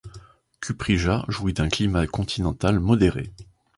Ćuprija jouit d'un climat continental modéré.